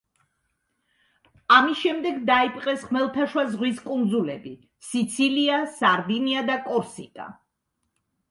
ამის შემდეგ დაიპყრეს ხმელთაშუა ზღვის კუნძულები: სიცილია, სარდინია და კორსიკა.